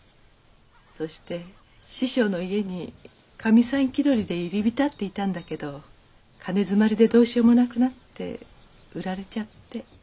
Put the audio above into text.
そして師匠の家にかみさん気取りで入り浸っていたんだけど金詰まりでどうしようもなくなって売られちゃって。